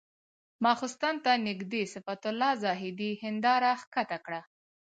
ماخستن ته نږدې صفت الله زاهدي هنداره ښکته کړه.